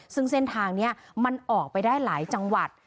ซึ่งเส้นทางนี้มันออกไปได้หลายจังหวัด